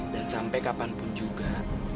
dan sampai kapanpun juga